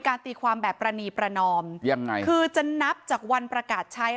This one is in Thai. ตีความแบบประนีประนอมยังไงคือจะนับจากวันประกาศใช้